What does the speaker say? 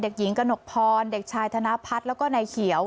หญิงกระหนกพรเด็กชายธนพัฒน์แล้วก็นายเขียว